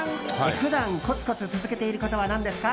普段、コツコツ続けていることは何ですか？